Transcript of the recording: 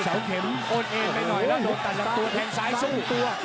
เสาเข็มโอนเอไปหน่อยแล้วโดนตัดลำตัวแทงซ้ายสู้ตัว